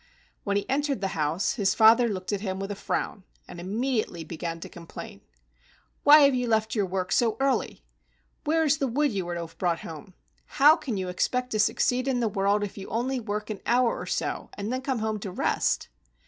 When he entered the house, his father looked at him with a frown and immediately began to complain. "Why have you left your work so early ? Where is the wood you were to have brought home ? How can you expect to succeed in the world if you only work an hour or so and then come home to rest